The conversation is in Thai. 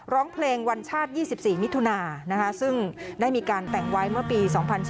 ร้องเพลงวันชาติ๒๔มิถุนาซึ่งได้มีการแต่งไว้เมื่อปี๒๔